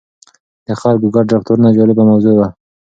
د خلکو ګډ رفتارونه جالبه موضوع ده.